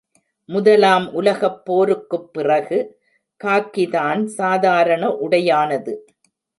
முதலாம் உலகப்போருக்குப் பிறகு, காக்கிதான் சாதாரண உடையானது.